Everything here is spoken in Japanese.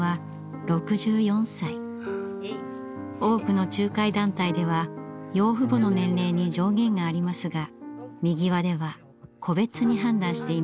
多くの仲介団体では養父母の年齢に上限がありますがみぎわでは個別に判断しています。